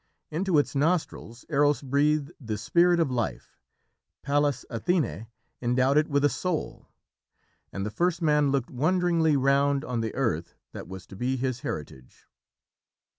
Into its nostrils Eros breathed the spirit of life, Pallas Athené endowed it with a soul, and the first man looked wonderingly round on the earth that was to be his heritage.